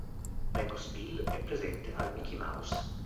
Pecos Bill è presente al Micky Mouse